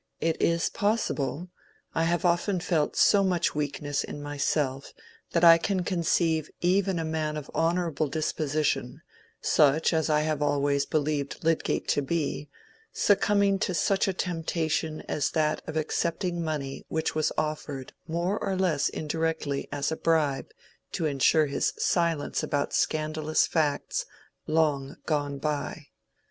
"It is possible—I have often felt so much weakness in myself that I can conceive even a man of honorable disposition, such as I have always believed Lydgate to be, succumbing to such a temptation as that of accepting money which was offered more or less indirectly as a bribe to insure his silence about scandalous facts long gone by.